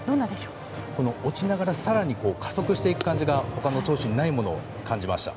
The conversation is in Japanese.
落ちながら更に加速していく感じが他の投手にないものを感じました。